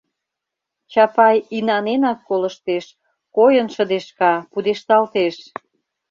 Чапай инаненак колыштеш, койын шыдешка, пудешталтеш: